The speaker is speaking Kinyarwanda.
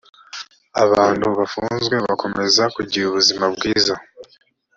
abantu bafunzwe bakomeza kugira ubuzima bwiza